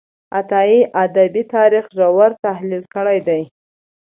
عطايي د ادبي تاریخ ژور تحلیل کړی دی.